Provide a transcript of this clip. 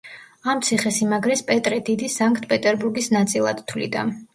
ამ ციხესიმაგრეს პეტრე დიდი სანქტ-პეტერბურგის ნაწილად თვლიდა.